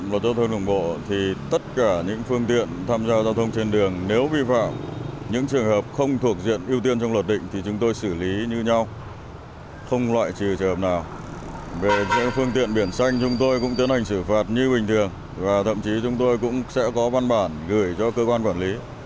lái xe biển xanh chúng tôi cũng tiến hành xử phạt như bình thường và thậm chí chúng tôi cũng sẽ có văn bản gửi cho cơ quan quản lý